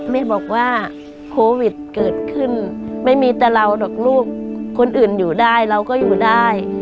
แม่บอกว่าโควิดเกิดขึ้นไม่มีแต่เราหรอกลูกคนอื่นอยู่ได้เราก็อยู่ได้